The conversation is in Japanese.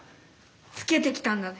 つけてきたんだね。